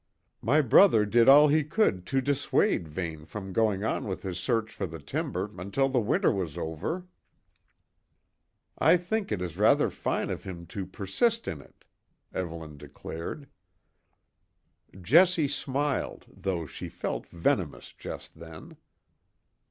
My brother did all he could to dissuade Vane from going on with his search for the timber until the winter was over." "I think it is rather fine of him to persist in it," Evelyn declared. Jessie smiled, though she felt venomous just then.